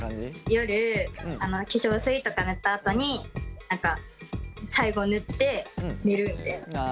夜化粧水とか塗ったあとに最後塗って寝るみたいな。